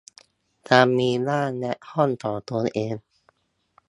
การมีบ้านและห้องของตัวเอง